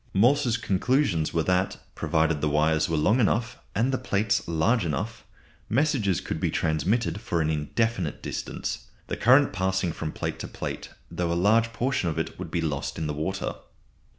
Morse's conclusions were that provided the wires were long enough and the plates large enough messages could be transmitted for an indefinite distance; the current passing from plate to plate, though a large portion of it would be lost in the water.